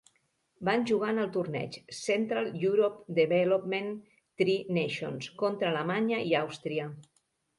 Van jugar en el torneig "Central Europe Development Tri-Nations" contra Alemanya i Àustria.